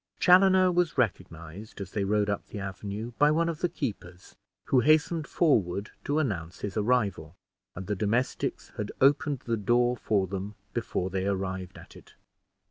Chaloner was recognized, as they rode up the avenue, by one of the keepers, who hastened forward to announce his arrival; and the domestics had opened the door for them before they arrived at it.